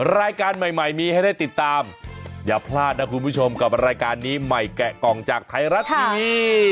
รายการใหม่มีให้ได้ติดตามอย่าพลาดนะคุณผู้ชมกับรายการนี้ใหม่แกะกล่องจากไทยรัฐทีวี